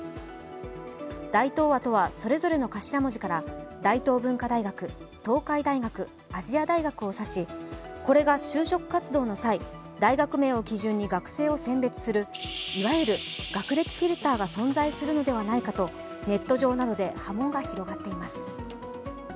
大東亜とは、それぞれの頭文字から大東文化大学、東海大学、亜細亜大学を指しこれが就職活動の際、大学名を基準に学生を選別する、いわゆる学歴フィルターが存在するのではないかとネット上などで波紋が広がっています。